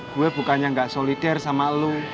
gue bukannya nggak solidar sama lo